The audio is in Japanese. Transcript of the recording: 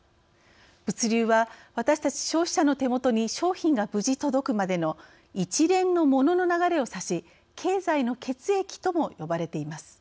物流は、私たち消費者の手元に商品が無事、届くまでの一連のモノの流れを指し経済の血液とも呼ばれています。